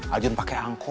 ajun pakai angkot